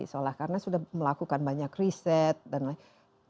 seolah karena sudah melakukan banyak riset dan lain lain